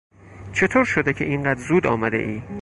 چطور شده که اینقدر زود آمدهای؟